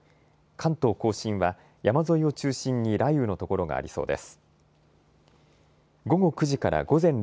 関東甲信は山沿いを中心に雷雨の所がありそうです。